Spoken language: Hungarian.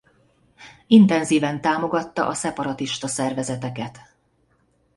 Intenzíven támogatta a szeparatista szervezeteket.